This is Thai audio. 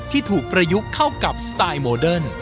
ที่ถูกประยุกต์เข้ากับสไตล์โมเดิร์น